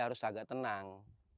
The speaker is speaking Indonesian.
harus agak tenang